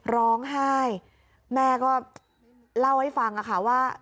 ร้องไห้แม่ก็เล่าให้ฟังค่ะว่า